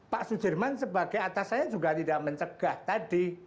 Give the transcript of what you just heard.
pak sudirman sebagai atasannya juga tidak mencegah tadi